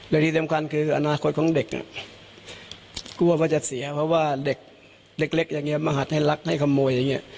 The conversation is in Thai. และที่สำคัญคืออนาคตของเด็กกลัวว่าจะเสียเพราะว่าเด็กเล็กอย่างนี้มาหัดให้รักให้ขโมยอย่างนี้